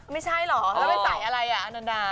ไม่ใช่หรอนางไปสายอะไรลงอันนันดา